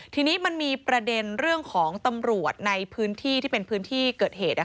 ทีนี้มันมีประเด็นเรื่องของตำรวจในพื้นที่ที่เป็นพื้นที่เกิดเหตุ